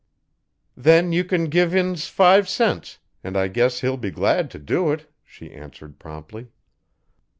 'Then you can give 'ins five cents, an' I guess he'll be glad t' do it,' she answered promptly.